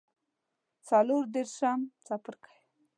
څلور دیرشم څپرکی